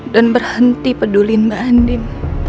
dan berhenti pedulin mbak andin